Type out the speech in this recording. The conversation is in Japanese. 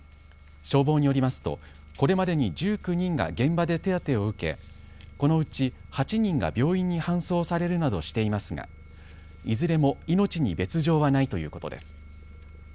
消防によりますとこれまでに１９人が現場で手当てを受け、このうち８人が病院に搬送されるなどしていますがいずれも命に別状はないということです。